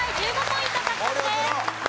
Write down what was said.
１５ポイント獲得です。